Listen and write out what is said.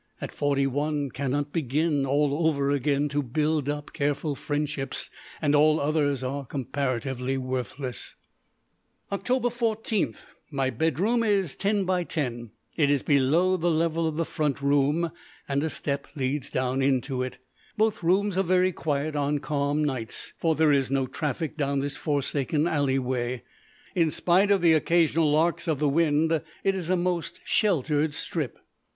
At forty one cannot begin all over again to build up careful friendships, and all others are comparatively worthless. Oct. 14. My bedroom is 10 by 10. It is below the level of the front room, and a step leads down into it. Both rooms are very quiet on calm nights, for there is no traffic down this forsaken alley way. In spite of the occasional larks of the wind, it is a most sheltered strip.